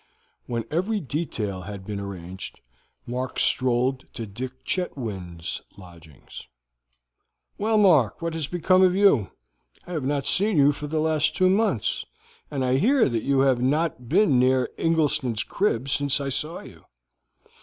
When every detail had been arranged, Mark strolled to Dick Chetwynd's lodgings. "Well, Mark what has become of you? I have not seen you for the last two months, and I hear that you have not been near Ingleston's crib since I saw you."